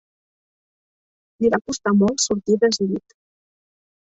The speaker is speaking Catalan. Li va costar molt sortir des llit